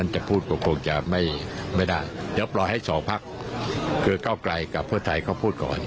จะปล่อยให้๒พักคือก้าวไกลกับเพื่อนไทยเขาพูดก่อน